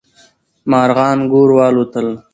مارغان ګور والوتل.